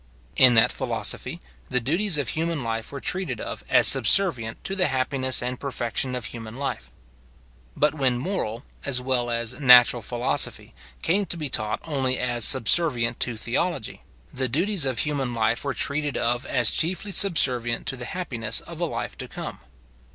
In that philosophy, the duties of human life were treated of as subservient to the happiness and perfection of human life, But when moral, as well as natural philosophy, came to be taught only as subservient to theology, the duties of human life were treated of as chiefly subservient to the happiness of a life to come.